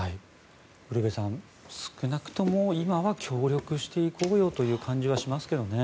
ウルヴェさん少なくとも今は協力していこうよという感じはしますけどね。